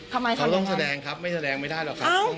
เขาก็ต้องแจ้งครับไม่แจ้งไม่ได้เหรอครับ